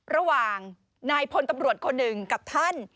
ระหว่างนายพลตำรวจคนหนึ่งกับท่าน